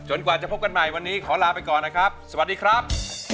กว่าจะพบกันใหม่วันนี้ขอลาไปก่อนนะครับสวัสดีครับ